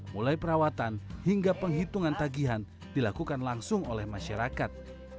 mulai perawatan hingga penghitungan tagihan dilakukan langsung oleh masyarakat